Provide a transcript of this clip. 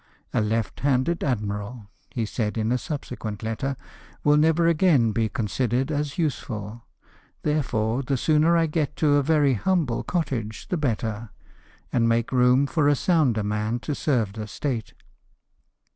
—" A left handed admiral," he said in a subsequent letter, " will never again be considered as useful ; therefore the sooner I get to a very humble cottage the better, and make room for a sounder man to serve the State."